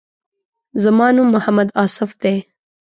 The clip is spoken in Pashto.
زما نوم محمد آصف دی.